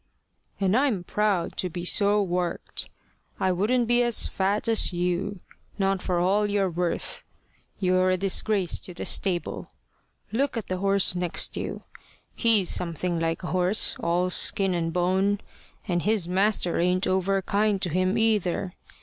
"And I'm proud to be so worked. I wouldn't be as fat as you not for all you're worth. You're a disgrace to the stable. Look at the horse next you. He's something like a horse all skin and bone. And his master ain't over kind to him either.